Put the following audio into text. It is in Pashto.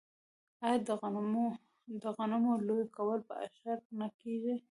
آیا د غنمو لو کول په اشر نه کیږي؟